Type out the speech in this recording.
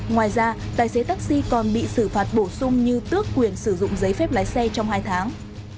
ngoài ra tài xế taxi còn bị xử phạt bổ sung như tước quyền sử dụng giấy phép lái xe trong hai tháng